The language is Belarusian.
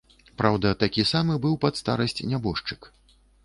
Праўда, такі самы быў пад старасць нябожчык.